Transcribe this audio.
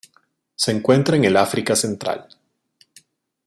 Se encuentra en el África central.